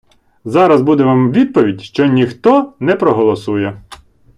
Зараз буде Вам відповідь, що ніхто не проголосує.